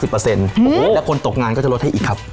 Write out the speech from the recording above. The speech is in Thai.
แล้วคนตกงานก็จะลดให้อีกครับ